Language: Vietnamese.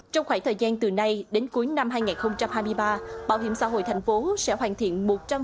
trong khoảng thời gian từ nay đến cuối năm hai nghìn hai mươi ba bảo hiểm xã hội thành phố sẽ hoàn thiện một trăm linh